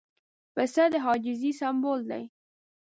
پسه د عاجزۍ سمبول دی.